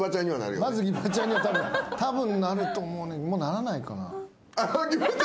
たぶんなると思うねんもうならないかな。